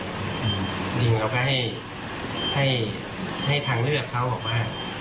จริงเราก็ให้ทางเลือกเขาออกมา